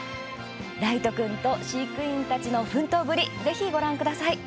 ライト君と飼育員たちの奮闘ぶりぜひご覧ください。